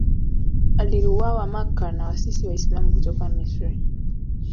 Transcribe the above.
Aliuawa Makka na waasi Waislamu kutoka Misri.